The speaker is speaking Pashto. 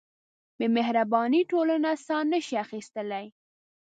بېمهربانۍ ټولنه ساه نهشي اخیستلی.